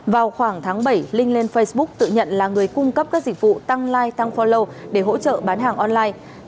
vào khoảng tháng bảy linh lên facebook tự nhận là người cung cấp các dịch vụ tăng like tăng forlo để hỗ trợ bán hàng online